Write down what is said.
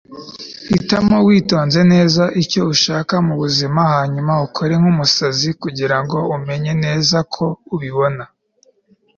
hitamo witonze, neza icyo ushaka mubuzima, hanyuma ukore nk'umusazi kugirango umenye neza ko ubibona